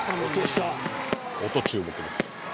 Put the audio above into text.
音、注目です。